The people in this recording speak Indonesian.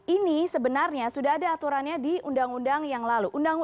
ini sebenarnya sudah ada aturannya di undang undang yang lalu